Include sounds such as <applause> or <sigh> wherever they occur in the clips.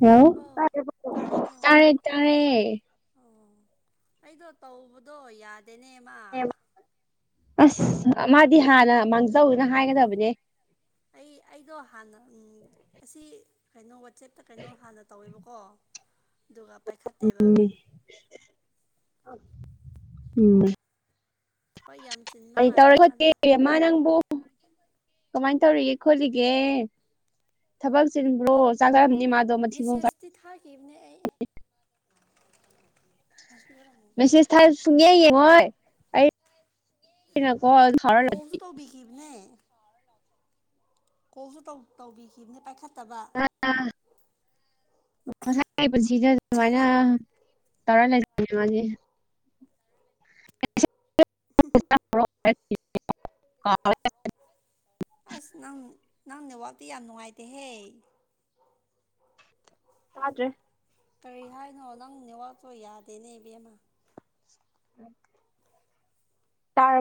Hello ꯇꯥꯔꯦ ꯇꯥꯔꯦ ꯑꯣ ꯑꯩꯗꯣ ꯇꯧꯕꯗꯣ ꯌꯥꯗꯦꯅꯦ ꯃꯥ ꯑꯁ ꯃꯥꯗꯤ ꯍꯥꯟꯅ ꯃꯥꯡꯖꯧꯅ ꯍꯥꯏꯒꯗꯕꯅꯦ ꯑꯩ ꯑꯩꯗꯣ ꯍꯥꯟꯅ ꯎꯝ ꯑꯁꯤ ꯀꯩꯅꯣ ꯋꯥꯆꯦꯞꯇ ꯀꯩꯅꯣ ꯍꯥꯟꯅ ꯇꯧꯋꯦꯕ ꯀꯣ ꯑꯗꯨꯒ ꯄꯥꯏꯈꯠꯇꯦꯕ ꯎꯝ ꯊꯕꯛ ꯌꯥꯝ ꯆꯤꯟꯕ ꯃꯥꯜꯂꯦ ꯃꯥꯗꯣ ꯃꯥ ꯅꯪꯕꯨ ꯀꯃꯥꯏꯅ ꯇꯧꯔꯤꯒꯦ ꯈꯣꯠꯂꯤꯒꯦ ꯊꯕꯛ ꯆꯤꯟꯕ꯭ꯔꯣ ꯆꯥꯛ ꯆꯥꯗꯣꯢꯅꯤ ꯅꯣꯢ ꯃꯥ ꯃꯦꯁꯦꯁꯇꯤ ꯊꯥꯈꯤꯕꯅꯦ ꯑꯩ <unintelligible> ꯃꯦꯁꯦꯁ ꯊꯥꯔꯁꯨ ꯁꯨꯡꯌꯦꯡ ꯌꯦꯡꯉꯣꯏ ꯑꯩꯩꯅ ꯀꯣ <unintelligible> ꯇꯧꯕꯤꯈꯤꯕꯅꯦ ꯀꯣꯜꯁꯨ ꯇꯧꯕꯤꯈꯤꯕꯅꯦ ꯄꯥꯏꯈꯠꯇꯕ <unintelligible> ꯉꯁꯥꯏ <unintelligible> ꯑꯗꯨꯃꯥꯏꯅ ꯇꯧꯔ <unintelligible> <unintelligible> ꯑꯁ ꯅꯪ ꯅꯪ ꯅꯦꯠꯋꯥꯛꯇꯤ ꯌꯥꯝ ꯅꯨꯡꯉꯥꯏꯇꯦꯍꯦ ꯇꯥꯗ꯭ꯔꯦ ꯀꯔꯤ ꯍꯥꯏꯅꯣ ꯅꯪ ꯅꯦꯋꯥꯛꯇꯣ ꯌꯥꯗꯦꯅꯦ ꯏꯕꯦꯝꯃ <inaudible>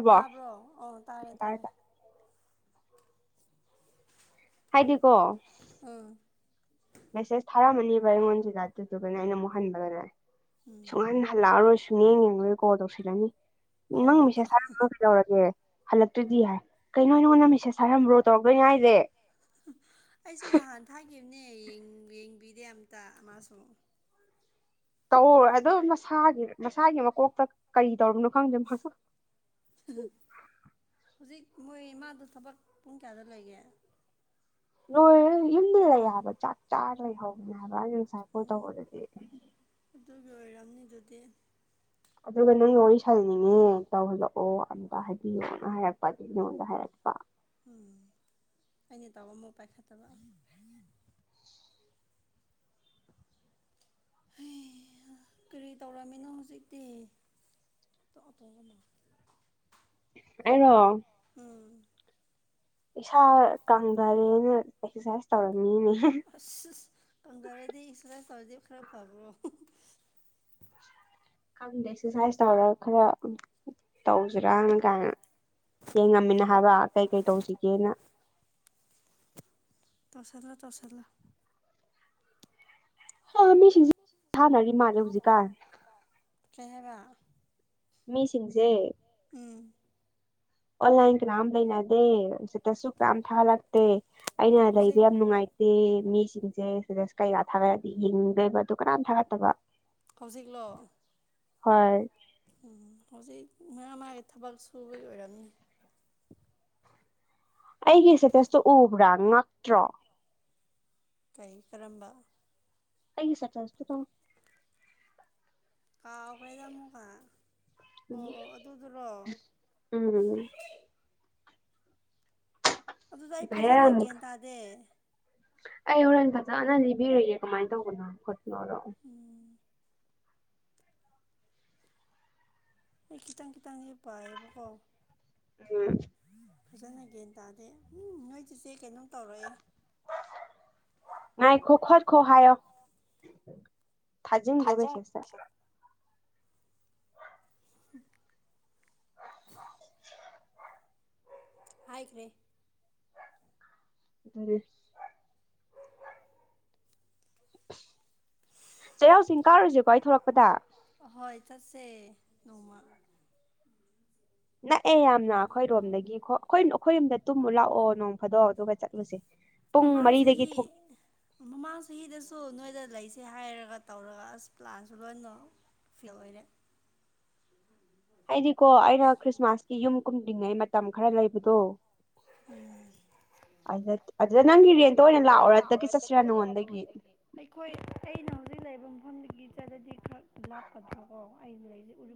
ꯇꯥꯕ꯭ꯔꯣ ꯑꯣ ꯇꯥꯔꯦ ꯇꯥꯔꯦ ꯍꯥꯏꯗꯤꯀꯣ ꯎꯝ ꯃꯦꯁꯦꯁ ꯊꯥꯔꯝꯃꯅꯤꯕ ꯑꯩꯉꯣꯟꯁꯤꯗ ꯑꯗꯨꯗꯨꯒꯅ ꯑꯩꯅ ꯑꯃꯨꯛ ꯍꯟꯕꯗꯅꯦ ꯁꯨꯡꯍꯟ ꯍꯜꯂꯛꯑꯔꯣꯏ ꯁꯨꯡꯌꯦꯡ ꯌꯦꯡꯉꯥꯔꯣꯢ ꯀꯣꯜ ꯇꯧꯁꯤꯜꯂꯅꯤ ꯅꯪ ꯃꯤꯁꯦꯁ ꯊꯥꯔꯝ <unintelligible> ꯀꯩꯇꯧꯔꯒꯦ ꯍꯜꯂꯛꯇꯔꯗꯤ ꯍꯥꯏ ꯀꯩꯅꯣ ꯅꯪ ꯑꯩꯉꯣꯟꯗ ꯃꯦꯁꯦꯁ ꯊꯥꯔꯝꯕ꯭ꯔꯣ ꯇꯧꯔꯛꯇꯣꯏꯅꯦ ꯍꯥꯏꯁꯦ ꯑꯩꯥꯁꯨ ꯅꯍꯥꯟ ꯊꯥꯈꯤꯕꯅꯦ ꯌꯦꯡ ꯌꯦꯡꯕꯤꯗꯦ ꯑꯝꯇ ꯃꯥꯁꯨ ꯇꯧ ꯑꯗꯨꯝ ꯃꯁꯥꯒꯤ ꯃꯁꯥꯒꯤ ꯃꯀꯣꯛꯇ ꯀꯔꯤ ꯇꯧꯔꯥꯕꯅꯣ ꯈꯪꯗꯦ ꯃꯥꯁꯨ ꯍꯧꯖꯤꯛ ꯃꯣꯏ ꯃꯥꯗꯣ ꯊꯕꯛ ꯄꯨꯡ ꯀꯌꯥꯗ ꯂꯣꯢꯒꯦ ꯂꯣꯏ ꯌꯨꯝꯗ ꯂꯩ ꯍꯥꯏꯕ ꯆꯥꯛ ꯆꯥ ꯂꯩꯍꯥꯏꯕꯅꯦ ꯍꯥꯏꯕ ꯑꯩ ꯉꯁꯥꯏ ꯀꯣꯜ ꯇꯧꯕꯗꯗꯤ ꯑꯗꯨꯒꯤ ꯑꯣꯏꯔꯝꯅꯤ ꯑꯗꯨꯗꯤ ꯑꯗꯨꯒ ꯅꯪꯒ ꯋꯥꯔꯤ ꯁꯥꯥꯟꯅꯅꯤꯡꯉꯦ ꯇꯧꯍꯜꯂꯛꯑꯣ ꯍꯥꯏꯕꯤꯌꯣꯅ ꯍꯥꯏꯔꯛꯄ ꯑꯗꯨꯒꯤ ꯑꯩꯉꯣꯟꯗ ꯍꯥꯏꯔꯛꯄ ꯎꯝ ꯑꯩꯅ ꯇꯧꯕꯅ ꯑꯃꯨꯛ ꯄꯥꯏꯈꯠꯇꯕ ꯍꯩ ꯍꯥ ꯀꯔꯤ ꯇꯧꯔꯝꯃꯤꯅꯣ ꯍꯧꯖꯤꯛꯇꯤ <unintelligible> ꯑꯩꯔꯣ ꯎꯝ ꯏꯁꯥ ꯀꯪꯊꯔꯦꯅ ꯑꯦꯛꯁꯔꯁꯥꯏꯁ ꯇꯧꯔꯝꯃꯤꯅꯦ ꯑꯁ ꯑꯁ ꯀꯪꯊꯔꯗꯤ ꯑꯦꯛꯁꯔꯁꯥꯏꯁ ꯇꯧꯔꯗꯤ ꯈꯔ ꯐꯕ꯭ꯔꯣ ꯈꯪꯗꯦ ꯑꯦꯛꯁꯔꯁꯥꯏꯁ ꯇꯧꯔꯒ ꯈꯔ ꯇꯧꯁꯤꯔꯥꯅ ꯀꯥꯏꯅ ꯌꯦꯡꯉꯝꯃꯤꯅ ꯍꯥꯏꯕ ꯀꯩꯀꯩ ꯇꯧꯁꯤꯒꯦꯅ ꯇꯧꯁꯜꯂꯣ ꯇꯧꯁꯜꯂꯣ ꯍꯣꯏ ꯃꯤꯁꯤꯡ <unintelligible> ꯊꯥꯅꯔꯤ ꯃꯥꯜꯂꯦ ꯍꯧꯖꯤꯛꯀꯥꯟ ꯀꯩ ꯍꯥꯏꯕ ꯃꯤꯁꯤꯡꯁꯦ ꯎꯝ ꯑꯣꯟꯂꯥꯏꯟ ꯀꯅꯥꯝ ꯂꯩꯅꯗꯦ ꯁꯇꯦꯇꯁꯁꯨꯨ ꯀꯅꯥꯝ ꯊꯥꯍꯜꯂꯛꯇꯦ ꯑꯩꯅ ꯂꯩꯕ ꯌꯥꯝ ꯅꯨꯡꯉꯥꯏ ꯃꯤꯁꯤꯡꯁꯦ ꯁꯤꯗꯁ ꯁꯇꯦꯇꯁ ꯀꯩꯀꯥ ꯊꯥꯒꯠꯂꯗꯤ ꯌꯦꯡꯍꯤꯡꯗꯣꯏꯕ ꯑꯗꯨ ꯀꯅꯥꯝ ꯊꯥꯒꯠꯇꯕ ꯍꯧꯖꯤꯛꯂꯣ ꯍꯣꯏ ꯎꯝ ꯍꯧꯖꯤꯛ ꯃꯥꯥ ꯃꯥꯥꯒꯤ ꯊꯕꯛ ꯁꯨꯕꯒꯤ ꯑꯣꯏꯔꯝꯅꯤ ꯑꯩꯒꯤ ꯏꯁꯇꯦꯇꯁꯇꯨ ꯎꯕ꯭ꯔꯥ ꯉꯛꯇ꯭ꯔꯣ? ꯀꯩ ꯀꯔꯝꯕ? ꯑꯩꯒꯤ ꯆꯠ ꯆꯁꯁꯨ ꯇꯣꯡ ꯀꯥꯎꯈ꯭ꯔꯦꯗ ꯑꯃꯨꯛꯀꯥ꯫ ꯎꯝ ꯎꯝ꯫ ꯑꯗꯨꯗ ꯑꯩ ꯐꯖꯅ ꯒ꯭ꯌꯥꯟ ꯇꯥꯗꯦ꯫ ꯑꯩ ꯍꯣꯔꯦꯟ ꯐꯖꯅ ꯂꯤꯕꯤꯔꯒꯦ ꯀꯃꯥꯏꯅ ꯇꯧꯕꯅꯣ ꯈꯣꯠꯄꯅꯣꯗꯣ꯫ ꯎꯝ꯫ ꯑꯩ ꯈꯤꯇꯪ ꯈꯤꯇꯪꯗꯤ ꯄꯥꯏꯌꯦꯕꯀꯣ꯫ ꯎꯝ ꯐꯖꯅ ꯒ꯭ꯌꯥꯟ ꯇꯥꯗꯦ ꯎꯝ ꯅꯣꯏ ꯆꯦꯆꯦ ꯀꯩꯅꯣꯝ ꯇꯧꯔꯛꯑꯦ꯫ ꯉꯥꯏꯈꯣ ꯈꯣꯠꯈꯣ ꯍꯥꯏꯌꯣ ꯊꯥꯖꯤꯟꯈꯣ ꯃꯦꯁꯦꯁꯇ꯫ ꯍꯥꯏꯈ꯭ꯔꯦ꯫ <unintelligible> ꯆꯩꯔꯥꯎ ꯆꯤꯡ ꯀꯥꯔꯨꯁꯦꯀꯣ ꯑꯩ ꯊꯣꯛꯂꯛꯄꯗ꯫ ꯑꯍꯣꯏ ꯆꯠꯁꯦ ꯅꯣꯡꯃ꯫ ꯅꯛꯑꯦ ꯌꯥꯝꯅ ꯑꯈꯣꯏꯔꯣꯝꯗꯒꯤ ꯑꯈꯣꯏ ꯑꯈꯣꯏ ꯌꯨꯝꯗ ꯇꯨꯝꯃꯨ ꯂꯥꯛꯑꯣ ꯅꯣꯡ ꯐꯥꯗꯣꯛ ꯑꯗꯨꯒ ꯆꯠꯂꯨꯁꯦ꯫ ꯃꯃꯥꯡ ꯆꯍꯤ, ꯃꯃꯥꯡ ꯆꯍꯤꯗꯁꯨ ꯅꯣꯏꯗ ꯂꯩꯁꯦ ꯍꯥꯏꯔꯒ ꯇꯧꯔꯒ ꯑꯁ ꯄ꯭ꯂꯥꯟꯁꯨ ꯂꯣꯏꯅ ꯐꯦꯜ ꯑꯣꯏꯔꯦ꯫ ꯍꯥꯏꯗꯤꯀꯣ ꯑꯩꯅ ꯈ꯭ꯔꯤꯁꯃꯥꯁꯀꯤ ꯌꯨꯝ ꯀꯨꯝꯗ꯭ꯔꯤꯉꯩ ꯃꯇꯝ ꯈꯔ ꯂꯩꯕꯗꯣ꯫ ꯑꯝ꯫ ꯑꯗꯨꯗ ꯅꯪꯒꯤꯔꯦꯟꯇ ꯑꯣꯏꯅ ꯂꯥꯛꯑꯣꯔ ꯗꯒꯤ ꯆꯠꯁꯤꯔꯥ ꯅꯉꯣꯟꯗꯒꯤ꯫ ꯑꯩꯈꯣꯏ ꯑꯩꯅ ꯍꯧꯖꯤꯛ ꯂꯩꯔꯤꯕ ꯃꯐꯝꯗꯒꯤ ꯆꯠꯂꯗꯤ ꯈꯔ ꯂꯥꯞꯀꯗ꯭ꯔꯣꯀꯣ ꯑꯩ ꯂꯩꯔꯤꯁꯦ ꯎꯔꯤ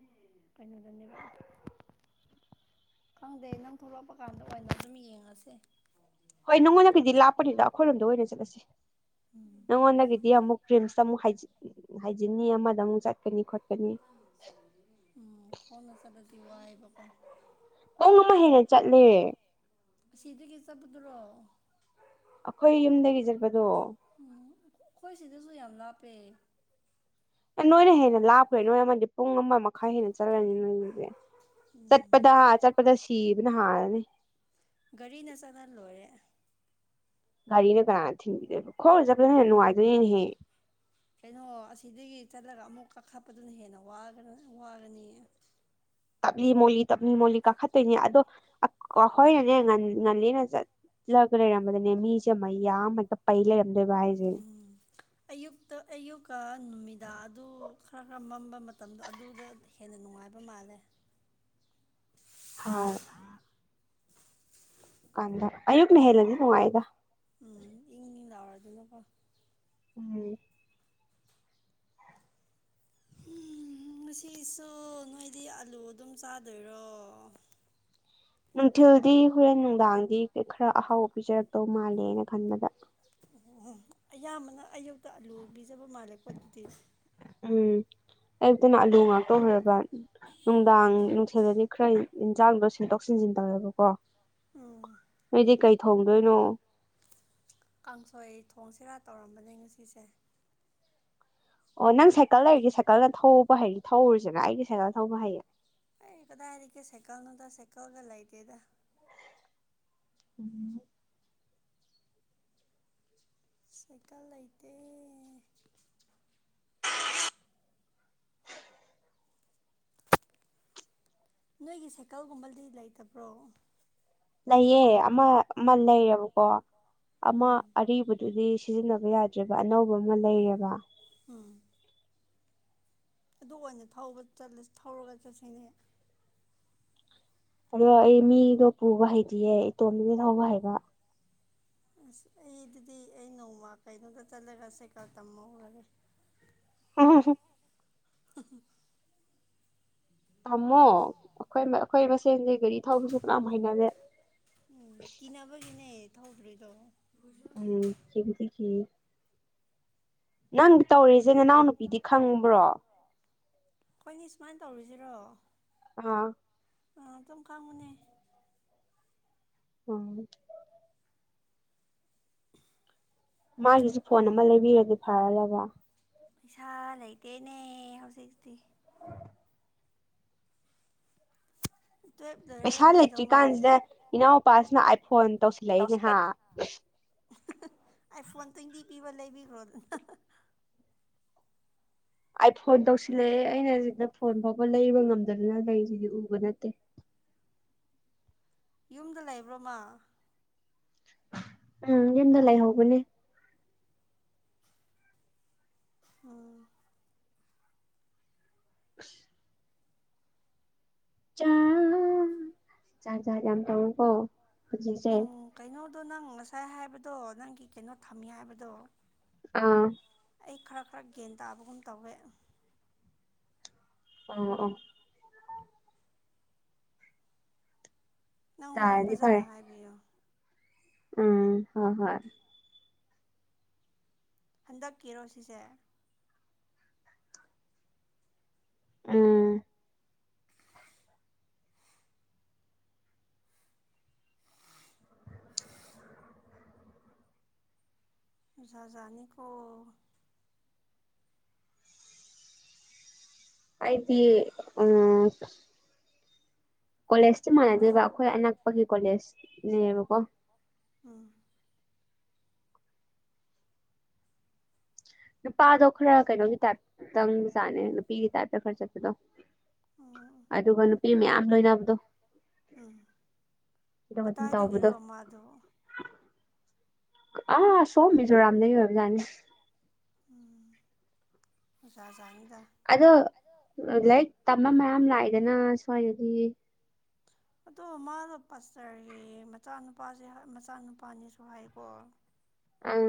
ꯀꯩꯅꯣꯗꯅꯦꯕ꯫ ꯈꯪꯗꯦ ꯅꯪ ꯊꯣꯛꯂꯛꯄ ꯀꯥꯟꯗ ꯑꯣꯏꯅ ꯑꯗꯨꯝ ꯌꯦꯡꯉꯁꯦ꯫ ꯍꯣꯏ ꯅꯪꯉꯣꯟꯗꯒꯤꯗꯤ ꯂꯥꯛꯄꯅꯤꯗ ꯑꯈꯣꯏꯔꯣꯝꯗ ꯑꯣꯏꯅ ꯆꯠꯂꯁꯤ ꯅꯪꯉꯣꯟꯗꯒꯤꯗꯤ ꯑꯃꯨꯛ ꯔꯤꯝꯁꯇ ꯑꯃꯨꯛ ꯍꯥꯏꯖꯤꯟꯅꯤ ꯑꯃꯗ ꯑꯃꯨꯛ ꯆꯠꯀꯅꯤ ꯈꯣꯠꯀꯅꯤ꯫ ꯎꯝ ꯈꯣꯡꯅ ꯆꯠꯂꯁꯨ ꯋꯥꯏꯕ ꯀꯣ꯫ ꯄꯨꯡ ꯑꯃ ꯍꯦꯟꯅ ꯆꯠꯂꯦ꯫ ꯑꯁꯤꯗꯒꯤ ꯆꯠꯄꯨꯗ꯭ꯔꯣ? ꯑꯈꯣꯏ ꯌꯨꯝꯗꯒꯤ ꯆꯠꯄꯗꯣ꯫ ꯎꯝ ꯈꯣꯏ ꯁꯤꯗꯁꯨ ꯌꯥꯝ ꯂꯥꯞꯄꯦ꯫ ꯑꯦ ꯅꯣꯏꯅ ꯍꯦꯟꯅ ꯂꯥꯞꯈ꯭ꯔꯦ ꯅꯣꯏ ꯑꯃꯗꯤ ꯄꯨꯡ ꯑꯃ ꯃꯈꯥꯏ ꯍꯦꯟꯅ ꯆꯠꯂꯅꯤ ꯅꯣꯏꯗꯨꯗꯤ꯫ ꯆꯠꯄꯗ ꯆꯠꯄꯗ ꯁꯤꯕꯅ ꯍꯥꯜꯂꯅꯤ꯫ ꯒꯥꯔꯤꯅ ꯆꯠꯂ ꯂꯣꯏꯔꯦ꯫ ꯒꯥꯔꯤꯅ ꯀꯅꯥꯅ ꯊꯤꯟꯕꯤꯗꯣꯏꯕ ꯈꯣꯡꯅ ꯆꯠꯄꯅ ꯍꯦꯟ ꯅꯨꯡꯉꯥꯏꯗꯣꯏꯅꯤꯅꯦꯍꯦ꯫ ꯀꯩꯅꯣ ꯑꯁꯤꯗꯒꯤ ꯆꯠꯂꯒ ꯑꯃꯨꯛ ꯀꯥꯈꯠꯄꯗꯨꯅ ꯍꯦꯟꯅ ꯋꯥꯒꯅ ꯋꯥꯒꯅꯤꯌꯦ꯫ ꯇꯞꯂꯤ ꯃꯣꯂꯤ ꯇꯞꯂꯤ ꯃꯣꯜꯂꯤ ꯀꯥꯈꯠꯇꯣꯏꯅꯦ ꯑꯗꯣ ꯑꯈꯣꯏꯅꯅꯦ ꯉꯜꯂꯤꯅ ꯂꯒ ꯂꯩꯔꯝꯕꯗꯅꯦ ꯃꯤꯁꯦ ꯃꯌꯥꯝ ꯍꯛꯇ ꯄꯩ ꯂꯩꯔꯝꯗꯣꯏꯕ ꯍꯥꯏꯁꯦ꯫ ꯎꯝ ꯑꯌꯨꯛꯇ ꯑꯌꯨꯛꯀ ꯅꯨꯃꯤꯗꯥꯡ ꯑꯗꯨ ꯈꯔ ꯈꯔ ꯃꯝꯕ ꯃꯇꯝꯗꯣ ꯑꯗꯨꯗ ꯍꯦꯟꯅ ꯅꯨꯡꯉꯥꯏꯕ ꯃꯥꯜꯂꯦ꯫ ꯍꯥꯎ꯫ ꯀꯥꯟꯗ ꯑꯌꯨꯛꯅꯦ ꯍꯦꯜꯂꯦꯗꯤ ꯅꯨꯡꯉꯥꯏꯕ꯫ ꯎꯝ ꯏꯪ ꯏꯪ ꯂꯥꯎꯔꯗꯅꯀꯣ ꯎꯝ ꯎꯝ ꯉꯁꯤꯁꯨ ꯅꯣꯏꯗꯤ ꯑꯂꯨ ꯑꯗꯨꯝ ꯆꯥꯗꯣꯏꯔꯣ ꯅꯨꯡꯊꯤꯜꯗꯤ ꯍꯣꯔꯦꯟ ꯅꯨꯡꯗꯥꯡꯗꯤ ꯈꯔ ꯑꯍꯥꯎꯕ ꯄꯤꯖꯔꯛꯇꯧ ꯃꯥꯜꯂꯦ ꯑꯩꯅ ꯈꯟꯕꯗ ꯑꯣ ꯑꯌꯥꯝꯕꯅ ꯑꯌꯨꯛꯇ ꯑꯂꯨ ꯄꯤꯖꯕ ꯃꯥꯜꯂꯦꯀꯣ ꯑꯗꯨꯗꯤ ꯎꯝ ꯑꯌꯨꯛꯇꯅ ꯑꯥꯂꯨ ꯉꯥꯛꯇ ꯑꯣꯏꯔꯕ ꯅꯨꯡꯗꯥꯡ ꯅꯨꯡꯊꯤꯜꯗꯗꯤ ꯈꯔ ꯏꯟ ꯏꯟꯖꯥꯡꯗꯣ ꯁꯤꯟꯇꯣꯛ ꯁꯤꯟꯖꯤꯟ ꯇꯧꯋꯦꯕꯀꯣ ꯑꯣ ꯅꯣꯏꯗꯤ ꯀꯩ ꯊꯣꯡꯗꯣꯏꯅꯣ ꯀꯥꯡꯁꯣꯏ ꯊꯣꯡꯁꯤꯔꯥ ꯇꯧꯔꯝꯕꯅꯦ ꯉꯁꯤꯁꯦ ꯑꯣ ꯅꯪ ꯁꯥꯏꯀꯜ ꯂꯩꯔꯗꯤ ꯁꯥꯏꯀꯜꯅ ꯊꯧꯕ ꯍꯩꯗꯤ ꯊꯧꯔꯨꯖꯤꯔꯥ ꯑꯩꯗꯤ ꯁꯥꯏꯀꯜ ꯊꯧꯕ ꯍꯩꯌꯦ ꯑꯩ ꯀꯗꯥꯏꯗꯒꯤ ꯁꯥꯏꯀꯜꯅꯣꯗ ꯁꯥꯏꯀꯜꯒ ꯂꯩꯇꯦꯗ ꯎꯝ ꯁꯥꯏꯀꯜ ꯂꯩꯇꯦ ꯅꯣꯏꯒꯤ ꯁꯥꯏꯀꯜꯒꯨꯝꯕꯗꯤ ꯂꯩꯇꯕ꯭ꯔꯣ ꯂꯩꯌꯦ ꯑꯃ ꯑꯃ ꯂꯩꯌꯦꯕꯀꯣ ꯑꯃ ꯑꯔꯤꯕꯗꯨꯗꯤ ꯁꯤ__ ꯁꯤꯖꯤꯟꯅꯕ ꯌꯥꯗ꯭ꯔꯦꯕ ꯑꯅꯧꯕ ꯑꯃ ꯂꯩꯌꯦꯕ ꯑꯥ ꯑꯗꯨ ꯑꯣꯏꯅ ꯊꯧꯕ ꯆꯠꯂ ꯊꯧꯔꯒ ꯆꯠꯁꯤꯅꯦ ꯑꯗꯨꯔꯣ ꯑꯩ ꯃꯤꯗꯣ ꯄꯨꯕ ꯍꯩꯇꯤꯌꯦ ꯏꯇꯣꯝꯗꯗꯤ ꯊꯧꯕ ꯍꯩꯕ ꯑꯁ ꯑꯩꯗꯨꯗꯤ ꯑꯩ ꯅꯣꯡꯃ ꯀꯩꯅꯣꯗ ꯆꯠꯂꯒ ꯁꯥꯏꯀꯜ ꯇꯝꯃꯧꯔꯒꯦ <inaudible> <inaudible> ꯇꯥꯝꯃꯣ ꯑꯩꯈꯣꯏꯃ ꯑꯩꯈꯣꯏ ꯃꯁꯦꯟꯗꯤ ꯒꯥꯔꯤ ꯊꯧꯕꯁꯨ ꯀꯅꯥꯝ ꯍꯩꯅꯗꯦ ꯎꯝ ꯀꯤꯅꯕꯒꯤꯅꯦ ꯊꯧꯗ꯭ꯔꯤꯗꯣ ꯑ ꯀꯤꯕꯗꯤ ꯀꯤ ꯅꯪ ꯇꯧꯔꯤꯖꯦ ꯅꯅꯥꯎ ꯅꯨꯄꯤꯗꯤ ꯈꯪꯕ꯭ꯔꯣ ꯑꯩꯈꯣꯏꯅꯤ ꯁꯨꯃꯥꯏꯟ ꯇꯧꯔꯤꯖꯤꯔꯣ ꯑꯥ ꯑꯥ ꯑꯗꯨꯝ ꯈꯥꯡꯕꯅꯦ ꯎꯝ ꯃꯥꯒꯤꯖꯨ ꯐꯣꯟ ꯑꯃ ꯂꯩꯕꯤꯔꯗꯤ ꯐꯒꯕ ꯄꯩꯁꯥ ꯂꯩꯇꯦꯅꯦ ꯍꯧꯖꯤꯛꯇꯤ ꯇꯨꯋꯦꯞ ꯂꯣ__ ꯄꯩꯁꯥ ꯂꯩꯇ꯭ꯔꯤ ꯀꯥꯟꯖꯤꯗ ꯏꯅꯥꯎꯄꯥꯁꯤꯅ ꯑꯥꯏ ꯐꯣꯟ ꯇꯧꯁꯤꯜꯂꯛꯏꯅꯦꯍꯥ ꯑꯩ ꯐꯣꯟ ꯇ꯭ꯋꯦꯟꯇꯤ ꯄꯤꯕ ꯂꯩꯕꯤꯈ꯭ꯔꯣꯗꯅ ꯑꯥꯏ ꯐꯣꯟ ꯇꯧꯁꯤꯜꯂꯛꯑꯦ ꯑꯩꯅ ꯁꯤꯗ ꯐꯣꯟ ꯐꯥꯎꯕ ꯂꯩꯕ ꯉꯝꯗꯗꯅ ꯂꯩꯁꯤꯗꯤ ꯎꯕ ꯅꯠꯇꯦ ꯌꯨꯝꯗ ꯂꯩꯕ꯭ꯔꯣꯃꯥ ꯎꯝ ꯌꯨꯝꯗ ꯂꯩꯍꯧꯕꯅꯦ ꯑꯣ ꯑꯁ ꯖꯥꯠ ꯖꯥꯠ ꯌꯥꯝ ꯇꯧꯋꯤꯀꯣ ꯍꯧꯖꯤꯛꯆꯦ ꯀꯩꯅꯣꯗꯣ ꯅꯪ ꯉꯁꯥꯏ ꯍꯥꯏꯕꯗꯣ ꯅꯪꯒꯤ ꯀꯩꯅꯣ ꯊꯝꯃꯤ ꯍꯥꯏꯕꯗꯣ ꯑꯥ ꯑꯩ ꯈꯔ ꯈꯔ ꯒꯦꯟ ꯇꯥꯕꯒꯨꯝ ꯇꯧꯋꯦ ꯑꯣ ꯑꯣ ꯅꯪ ꯍꯣꯔꯦꯟ ꯐꯖꯅ ꯍꯥꯏꯕꯤꯌꯨ꯫ ꯎꯝ ꯍꯣ ꯍꯣꯏ ꯍꯟꯗꯛꯀꯤꯔꯣ ꯁꯤꯁꯦ ꯎꯝ ꯖꯥ ꯖꯥꯠꯅꯤꯀꯣ ꯑꯗꯤ ꯎꯝ ꯀꯣꯂꯦꯖꯇꯤ ꯃꯥꯟꯅꯗꯦꯕ ꯑꯩꯈꯣꯏ ꯑꯅꯛꯄꯒꯤ ꯀꯣꯂꯦꯖꯅꯦꯕꯀꯣ꯫ ꯑꯥ ꯅꯨꯄꯥꯗꯣ ꯈꯔ ꯀꯩꯅꯣꯒꯤ ꯇꯥꯏꯞ ꯆꯪꯕꯖꯥꯅꯦ ꯅꯨꯄꯤꯒꯤ ꯇꯥꯏꯞꯇ ꯈꯔ ꯆꯠꯄꯗꯣ꯫ ꯑꯗꯨꯒ ꯅꯨꯄꯤ ꯃꯌꯥꯝ ꯂꯣꯏꯅꯕꯗꯣ꯫ ꯑ ꯀꯗꯥꯏꯗꯒꯤꯔꯣ ꯃꯥꯗꯣ꯫ ꯑꯥ ꯁꯣꯝ ꯃꯤꯖꯣꯔꯥꯝꯗꯩ ꯑꯣꯏꯕ ꯖꯥꯅꯤ ꯫ ꯎꯝ ꯖꯥ ꯖꯥꯅꯤꯗꯥ ꯫ ꯑꯗꯣ ꯂꯥꯏꯔꯤꯛ ꯇꯝꯕ ꯃꯌꯥꯝ ꯂꯥꯛꯏꯗꯅ ꯁ꯭ꯋꯥꯏꯗꯗꯤ꯫ ꯑꯗꯣ ꯃꯥꯗꯣ ꯄꯥꯖꯇꯔꯒꯤ ꯃꯆꯥꯅꯨꯄꯥꯖꯦ ꯃꯆꯥꯅꯨꯄꯥꯅꯦꯁꯨ ꯍꯥꯏꯀꯣ ꯑꯪ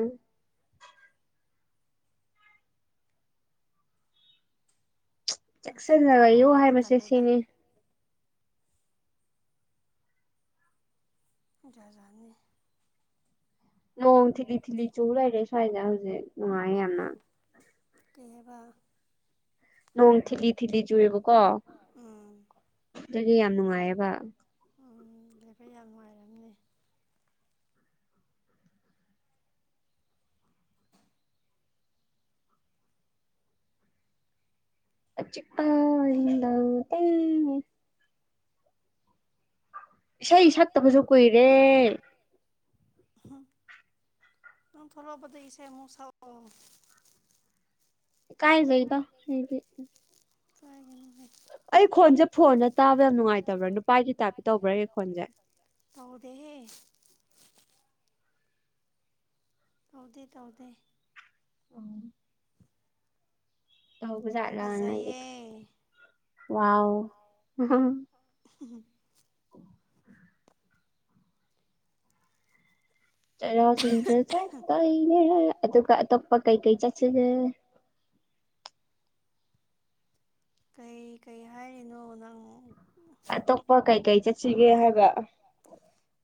ꯆꯦꯛꯁꯤꯟꯅ ꯂꯩꯌꯨ ꯍꯥꯏꯕꯁꯦ ꯁꯤꯅꯤ꯫ ꯖꯥ ꯖꯥꯅꯤ ꯅꯣꯡ ꯊꯤꯠꯂꯤ ꯊꯤꯠꯂꯤ ꯆꯨꯂꯩꯔꯦ ꯁ꯭ꯋꯥꯏꯖꯦ ꯍꯧꯖꯤꯛ ꯅꯨꯡꯉꯥꯏꯌꯦ ꯌꯥꯝꯅ꯫ ꯀꯩ ꯍꯥꯏꯕ꯫ ꯅꯣꯡ ꯊꯤꯠꯂꯤ ꯊꯤꯠꯂꯤ ꯆꯨꯏꯌꯦꯕꯀꯣ ꯑꯗꯨꯗꯤ ꯌꯥꯝ ꯅꯨꯡꯉꯥꯏꯌꯦꯕ꯫ ꯎꯝ ꯂꯩꯕ ꯌꯥꯝ ꯅꯨꯡꯉꯥꯏꯔꯝꯅꯤ꯫ ꯑꯆꯤꯛꯄ ꯑꯍꯤꯡꯗ ꯇꯦꯡꯉꯦ ꯏꯁꯩ ꯁꯛꯇꯕꯁꯨ ꯀꯨꯏꯔꯦ ꯅꯪ ꯊꯣꯂꯛꯄꯗ ꯏꯁꯩ ꯑꯃꯨꯛ ꯁꯛꯑꯣ ꯀꯥꯏꯖꯩꯗ ꯏꯀꯥꯏꯒꯅꯨ ꯍꯦ ꯑꯩ ꯈꯣꯟꯖꯦ ꯐꯣꯟꯗ ꯇꯥꯕ ꯌꯥꯝ ꯅꯨꯡꯉꯥꯏꯇꯕ꯭ꯔꯥ ꯅꯨꯄꯥꯥꯏꯒꯤ ꯇꯥꯏꯞꯇ ꯇꯧꯕ꯭ꯔꯥ ꯑꯩ ꯈꯣꯟꯖꯦ ꯇꯧꯗꯦꯍꯦ꯫ ꯇꯧꯗꯦ ꯇꯧꯗꯦ ꯑꯡ ꯇꯧꯕꯖꯥꯠꯂꯅ ꯑꯩꯗꯤ ꯋꯥꯎ <inaudible> ꯆꯩꯔꯥꯎ ꯆꯤꯡꯖꯨ ꯆꯠꯇꯣꯏꯅꯦ ꯑꯗꯨꯒ ꯑꯇꯣꯞꯄ ꯀꯩ ꯀꯩ ꯆꯠꯁꯤꯒꯦ? ꯀꯩ ꯀꯩ ꯍꯥꯏꯔꯤꯅꯣ ꯅꯪ꯫ ꯑꯇꯣꯞꯄ ꯀꯩ ꯀꯩ ꯆꯠꯁꯤꯒꯦ ꯍꯥꯏꯕ꯫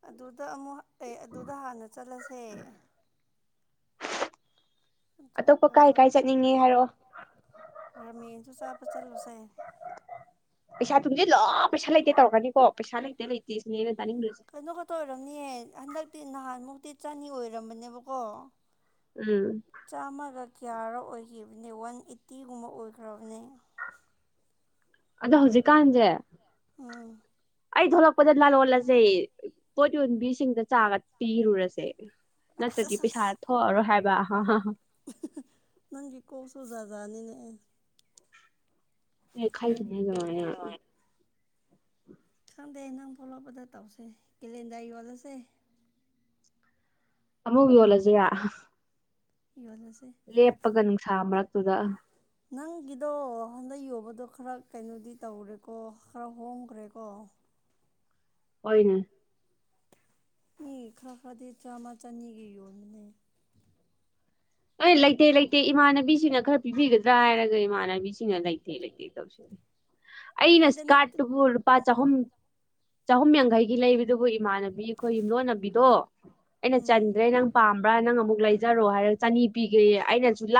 ꯑꯗꯨꯗ ꯑꯃꯨꯛ ꯑꯦ ꯑꯗꯨꯗ ꯍꯥꯟꯅ ꯆꯠꯂꯁꯦ꯫ ꯑꯗꯨꯒ ꯔꯥꯃꯦꯟꯁꯨ ꯆꯥꯕ ꯆꯠꯂꯨꯁꯦ꯫ ꯄꯩꯁꯥ ꯇꯨꯡꯖꯤꯜꯂꯣ ꯄꯩꯁꯥ ꯂꯩꯇꯦ ꯇꯧꯔꯛꯀꯅꯤꯀꯣ ꯄꯩꯁꯥ ꯂꯩꯇꯦ ꯂꯩꯇꯦ ꯁꯤꯅꯦ ꯑꯩꯅ ꯇꯥꯅꯤꯡꯗ꯭ꯔꯤꯁꯤ ꯫ ꯀꯩꯅꯣ ꯈꯛꯇ ꯑꯣꯏꯔꯝꯅꯤꯌꯦ ꯍꯟꯗꯛꯇꯤ ꯅꯍꯥꯟꯃꯨꯛꯇꯤ ꯆꯅꯤ ꯑꯣꯏꯔꯝꯕꯅꯦꯕꯀꯣ꯫ ꯎꯝ ꯆꯥꯝꯃꯒ ꯀꯌꯥꯔꯥ ꯑꯣꯏꯈꯤꯕꯅꯦ ꯋꯥꯟ ꯑꯦꯠꯇꯤꯒꯨꯝꯕ ꯑꯣꯏꯈ꯭ꯔꯕꯅꯦ꯫ ꯑꯗꯣ ꯍꯧꯖꯤꯛꯀꯥꯟꯖꯦ ꯑꯩ ꯊꯣꯛꯂꯛꯄꯗ ꯂꯂꯣꯜꯂꯖꯦ ꯫ ꯄꯣꯠ ꯌꯣꯟꯕꯤꯁꯤꯡꯗ ꯆꯥꯒ ꯄꯤꯔꯨꯔꯁꯦ꯫ ꯅꯠꯇ꯭ꯔꯗꯤ ꯄꯩꯁꯥ ꯊꯣꯛꯑꯔꯣꯏ ꯍꯥꯏꯕ ꯍꯥ ꯍꯥ ꯅꯪꯒꯤ ꯀꯣꯛ ꯁꯨ ꯖꯥꯠ ꯖꯥꯠꯅꯤꯅꯦ ꯌꯥꯡꯈꯩꯗꯨꯗꯤ ꯀꯃꯥꯏꯅ ꯈꯪꯗꯦ ꯅꯪ ꯄꯣꯂꯞꯄꯗ ꯇꯧꯁꯦ ꯀꯦꯂꯦꯟꯗꯔ ꯌꯣꯜꯂꯁꯦ ꯑꯃꯨꯛ ꯌꯣꯜꯂꯦ ꯑꯃꯨꯛ ꯌꯣꯜꯂꯁꯤꯔ ꯌꯣꯜꯂꯁꯦ ꯂꯦꯞꯄꯒ ꯅꯨꯡꯁꯥ ꯃꯔꯛꯇꯨꯗ ꯅꯪꯒꯤꯗꯣ ꯍꯟꯗꯛ ꯌꯣꯕꯗꯣ ꯈꯔ ꯀꯩꯅꯣꯗꯤ ꯇꯧꯈ꯭ꯔꯦꯀꯣ ꯈꯔ ꯍꯣꯡꯈ꯭ꯔꯦꯀꯣ ꯍꯣꯏꯅꯦ ꯃꯤ ꯈꯔ ꯈꯔꯗꯤ ꯆꯥꯝꯃ ꯆꯅꯤꯒꯤ ꯌꯣꯟꯕꯅꯦ ꯑꯩ ꯂꯩꯇꯦ ꯂꯩꯇꯦ ꯏꯃꯥꯟꯅꯕꯤꯁꯤꯡꯅ ꯈꯔ ꯄꯤꯕꯤꯒꯗ꯭ꯔꯥ ꯍꯥꯏꯔꯒ ꯏꯃꯥꯟꯅꯕꯤꯁꯤꯡꯅ ꯂꯩꯇꯦ ꯂꯩꯇꯦ ꯇꯧꯔꯤꯁꯦ ꯑꯩꯅ ꯏꯁꯀꯥꯔꯠꯇꯨꯕꯨ ꯂꯨꯄꯥ ꯆꯍꯨꯝ ꯆꯍꯨꯝ ꯌꯥꯡꯈꯩꯒꯤ ꯂꯩꯕꯗꯨꯕꯨ ꯏꯃꯥꯟꯅꯕꯤ ꯕꯤ ꯑꯩꯈꯣꯏ ꯌꯨꯝꯂꯣꯟꯅꯕꯤꯗꯣ ꯑꯩꯅ ꯆꯟꯗ꯭ꯔꯦ ꯅꯪ ꯄꯥꯝꯕ꯭ꯔꯥ ꯅꯪ ꯑꯃꯨꯛ ꯂꯩꯖꯔꯣ ꯍꯥꯏꯔ ꯆꯅꯤ ꯄꯤꯒꯦꯌꯦ ꯑꯩꯅꯁꯨ ꯂꯥꯞ